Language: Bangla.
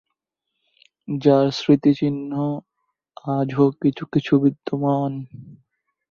যার স্মৃতিচিহ্ন আজও কিছু কিছু বিদ্যমান।